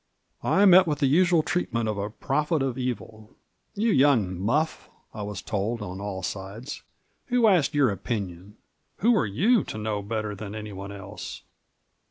I met with the usual treatment of a prophet of evil. "You young muff," I was told on aU sides, "who asked your opinion ? Who are you, to know better than any one else?"